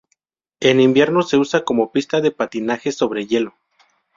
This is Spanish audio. En invierno se usa como pista de patinaje sobre hielo.